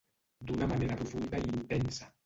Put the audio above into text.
D’una manera profunda i intensa.